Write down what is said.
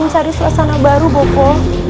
mencari suasana baru bopo